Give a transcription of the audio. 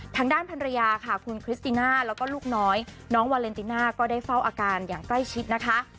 ทางด้านภรรยาค่ะคุณคริสติน่าแล้วก็ลูกน้อยน้องวาเลนติน่าก็ได้เฝ้าอาการอย่างใกล้ชิดนะคะ